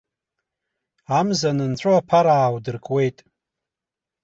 Амза анынҵәо аԥара ааудыркуеит.